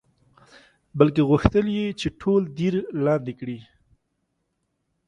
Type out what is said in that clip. بلکې غوښتل یې چې ټول دیر لاندې کړي.